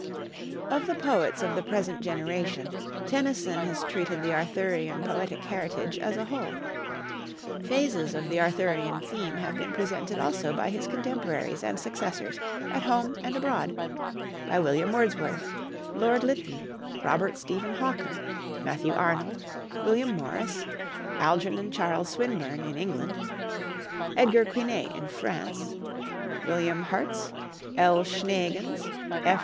Of the poets of the present generation, Tennyson has treated the Arthurian poetic heritage as a whole. Phases of the Arthurian theme have been presented also by his contemporaries and successors at home and abroad, by William Wordsworth, Lord Lytton, Robert Stephen Hawker, Matthew Arnold, William Morris, Algernon Charles Swinburne, in England; Edgar Quinet in France; Wilhelm Hertz, L. Schneegans, F.